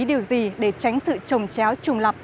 điều gì để tránh sự trồng chéo trùng lập